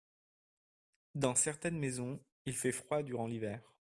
Dans certaines maisons il fait froid durant l’hiver.